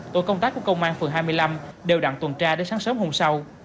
tổ công tác của công an phường hai mươi năm đều đặn tuần tra đến sáng sớm hôm sau